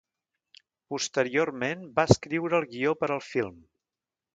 Posteriorment va escriure el guió per al film.